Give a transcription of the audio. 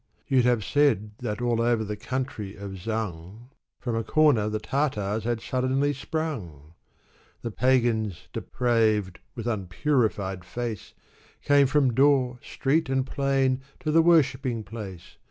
You'd have said that all over the country of 2^g, ^ From a corner, the Tartars had suddenly sprung ! The pagans depraved, with unpurified face, Came from door, street, and plain to the worshipping place.